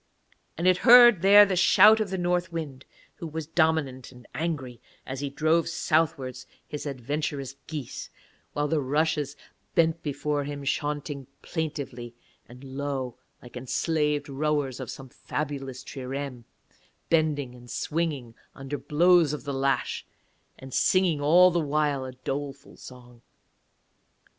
And it heard there the shout of the North Wind, who was dominant and angry, as he drove southwards his adventurous geese; while the rushes bent before him chaunting plaintively and low, like enslaved rowers of some fabulous trireme, bending and swinging under blows of the lash, and singing all the while a doleful song.